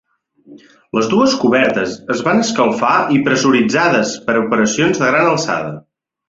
Les dues cobertes es van escalfar i pressuritzades per a operacions de gran alçada.